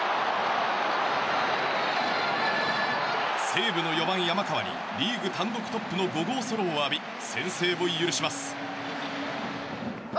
西武の４番、山川にリーグ単独トップの５号ソロを浴び先制を許します。